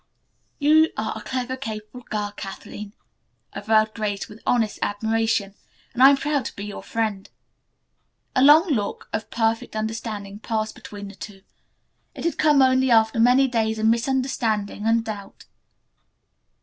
"You are a clever, capable girl, Kathleen," averred Grace, with honest admiration, "and I am proud to be your friend." A long look of perfect understanding passed between the two. It had come only after many days of misunderstanding and doubt.